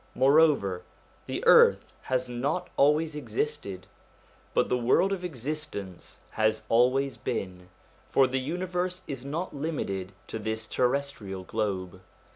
Moreover, the earth has not always existed, but the world of existence has always been; for the universe is not limited to this terrestrial globe.